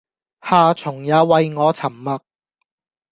夏蟲也為我沉默